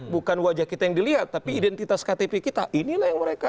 bukan wajah kita yang dilihat tapi identitas ktp kita inilah yang mereka